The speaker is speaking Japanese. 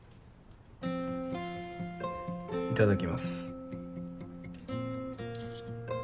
いただきます。